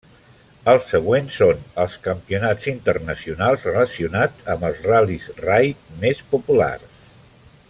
Els següents són els campionats internacionals relacionats amb els ral·lis raid més populars.